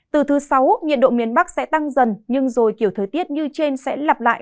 từ thứ sáu nhiệt độ miền bắc sẽ tăng dần nhưng rồi kiểu thời tiết như trên sẽ lặp lại